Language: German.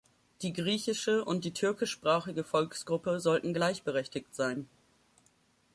Die griechische und die türkischsprachige Volksgruppe sollten gleichberechtigt sein.